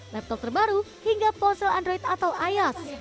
laptop terbaru hingga ponsel android atau ios